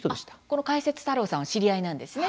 この解説太郎さんは知り合いなんですね。